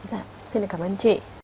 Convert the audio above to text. dạ xin cảm ơn chị